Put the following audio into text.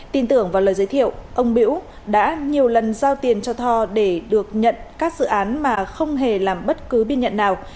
tin tưởng vào lời giới thiệu ông biễu đã nhiều lần giao tiền cho tho để được nhận các dự án mà không hề làm bất cứ biên nhận nào